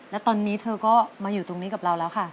และตอนนี้เธอก็มาอยู่ตรงนี้กับเราแล้วค่ะ